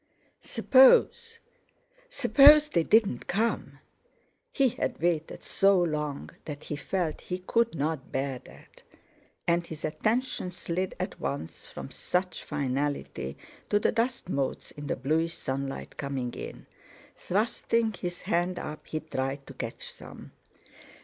Suppose!—suppose they didn't come! He had waited so long that he felt he could not bear that, and his attention slid at once from such finality to the dust motes in the bluish sunlight coming in: Thrusting his hand up, he tried to catch some.